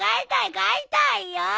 飼いたいよ！